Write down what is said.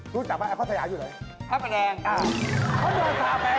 รู้จักไหมไอคอนสยามอยู่ไหน